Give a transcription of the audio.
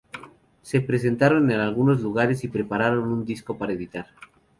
Se presentaron en algunos lugares y prepararon un disco para editar.